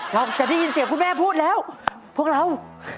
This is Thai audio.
จะได้ยินเสียงคุณแม่พูดแล้วพวกเรา